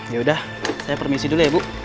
ya udah saya permisi dulu ya bu